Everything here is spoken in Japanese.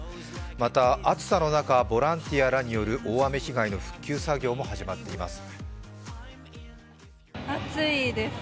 また暑さの中、ボランティアらによる大雨被害の復旧作業も始まっています。